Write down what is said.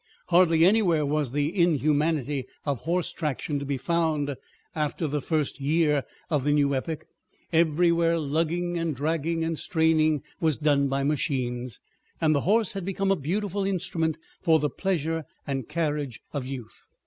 Hardly anywhere was the inhumanity of horse traction to be found after the first year of the new epoch, everywhere lugging and dragging and straining was done by machines, and the horse had become a beautiful instrument for the pleasure and carriage of youth.